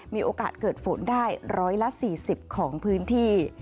มีโอกาสเกิดฝนได้๑๔๐ของพื้นที่